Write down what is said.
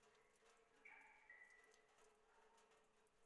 Su exención y honradez quedaron probadas.